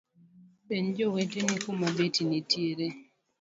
Penj joweteni kuma beti nitiere.